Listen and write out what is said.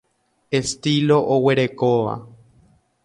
Estilo oguerekóva.